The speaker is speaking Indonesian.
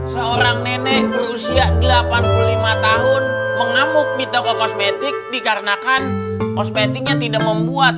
seorang nenek berusia delapan puluh lima tahun mengamuk di toko kosmetik dikarenakan kosmetiknya tidak membuat